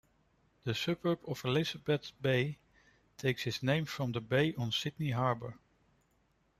The suburb of Elizabeth Bay takes its name from the bay on Sydney Harbour.